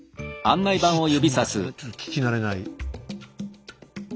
あんまりちょっと聞き慣れない。